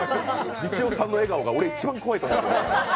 みちおさんの笑顔が俺、一番怖いと思うんで。